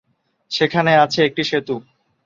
সেখানে আছে একটি সেতু।